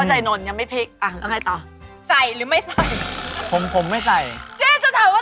อันนี้ยังเข้าใจโน้นยังไม่พลิกอะแล้วไงต่อ